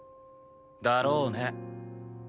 だろうね。